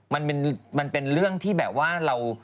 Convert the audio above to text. มันเป็นเรื่องที่แบบว่าเรา